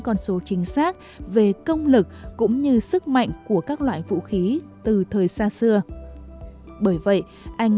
con số chính xác về công lực cũng như sức mạnh của các loại vũ khí từ thời xa xưa bởi vậy anh